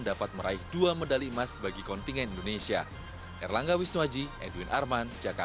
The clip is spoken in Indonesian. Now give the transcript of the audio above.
dapat meraih dua medali emas bagi kontingen indonesia